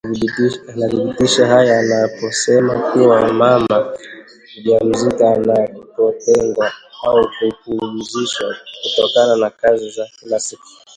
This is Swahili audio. anadhibitisha haya anaposema kuwa mama mjamzito anapotengwa au kupumzishwa kutokana na kazi za kila siku